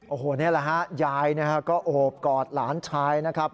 โอ้โหนี่แหละฮะยายก็โอบกอดหลานชายนะครับ